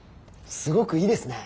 すごくいいですね。